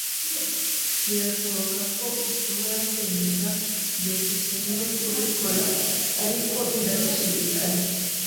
Birashoboka ko ushobora kwemeza byukusenge kubikora, ariko ndabishidikanya.